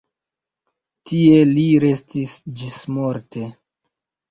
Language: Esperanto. Tie li restis ĝismorte.